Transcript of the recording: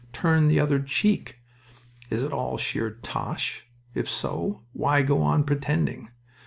'Turn the other cheek.'. .. Is it all sheer tosh? If so, why go on pretending?...